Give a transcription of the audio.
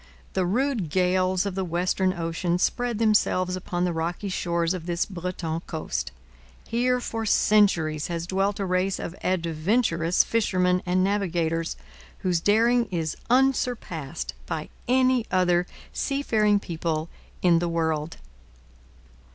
The rude gales of the western ocean spend themselves upon the rocky shores of this Breton coast. Here for centuries has dwelt a race of adventurous fishermen and navigators, whose daring is unsurpassed by any other seafaring people in the world.